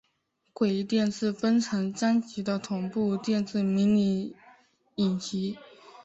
鬼店是分成三集的恐怖电视迷你影集。